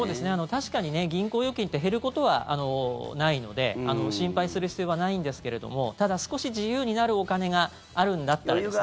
確かに銀行預金って減ることはないので心配する必要はないんですけれどもただ、少し自由になるお金があるんだったらですね。